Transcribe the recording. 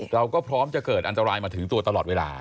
เราก็พร้อมจะเกิดอันตรายมาถึงตัวตลอดเวลา